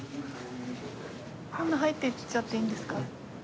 こんな入っていっちゃっていいんですか？